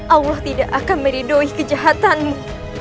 allah tidak akan meridoi kejahatanmu